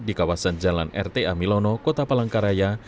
di kawasan jalan rta milono kota palangkaraya